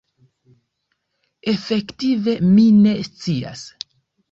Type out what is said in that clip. Efektive mi ne scias.